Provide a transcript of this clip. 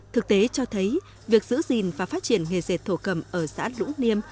thực tế cho thấy việc giữ gìn và phát triển nghề dệt thổ cầm ở xã lũ niêm